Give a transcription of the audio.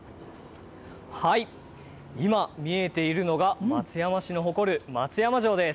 今、見えているのが、松山市の誇る松山城です。